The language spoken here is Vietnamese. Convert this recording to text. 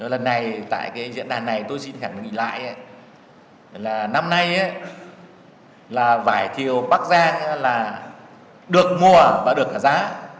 lần này tại diễn đàn này tôi xin hẳn nghĩ lại là năm nay vải thiều bắc giang được mua và được cả giá